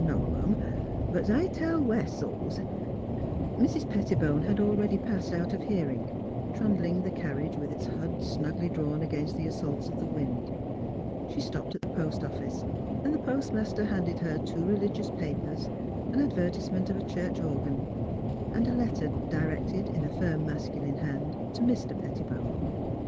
No'm. But 's I tell Wessel.^^ " 338 THE HEART OF PHILUEA Mrs. Pettibone had already passed out of hear ing, trundling the carriage with its hood snugly drawn against the assaults of the wind. She stopped at the post office, and the postmaster handed her two religious papers, an advertise ment of a church organ, and a letter, directed in a firm, masculine hand to Mr. Pettibone.